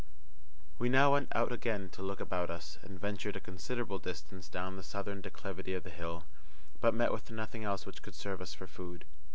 We now went out again to look about us, and ventured a considerable distance down the southern declivity of the hill, but met with nothing else which could serve us for food.